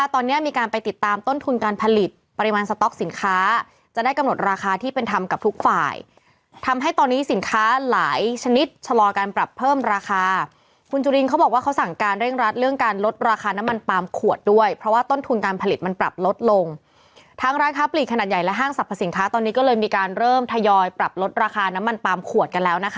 ต๊อกสินค้าจะได้กำหนดราคาที่เป็นทำกับทุกฝ่ายทำให้ตอนนี้สินค้าหลายชนิดชะลอการปรับเพิ่มราคาคุณจุดิงเขาบอกว่าเขาสั่งการเร่งรัดเรื่องการลดราคาน้ำมันปลามขวดด้วยเพราะว่าต้นทุนการผลิตมันปรับลดลงทั้งราคาปรีกขนาดใหญ่และห้างสรรพสินค้าตอนนี้ก็เลยมีการเริ่มทยอยปรับลด